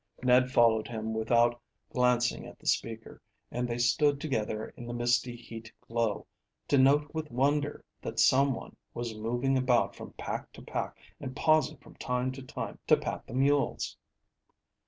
Ned followed him without glancing at the speaker, and they stood together in the misty heat glow, to note with wonder that some one was moving about from pack to pack and pausing from time to time to pat the mules.